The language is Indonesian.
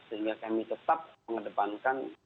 sehingga kami tetap mengedepankan